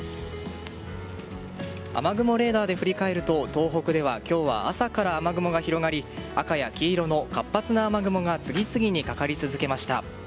雨雲レーダーで振り返ると東北では今日は朝から雨雲が広がり赤や黄色の活発な雨雲が次々にかかり続けました。